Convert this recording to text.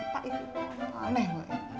pak ini aneh banget